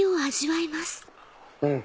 うん！